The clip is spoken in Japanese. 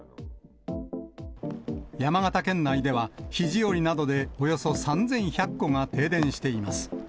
山形県内では、肘折などでおよそ３１００戸が停電しています。